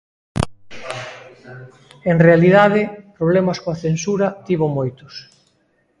En realidade problemas coa censura tivo moitos...